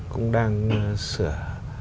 cũng đang sửa